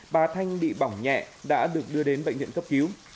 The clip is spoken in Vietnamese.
bà thanh bị bỏng nhẹ đã được đưa đến bệnh viện cấp cứu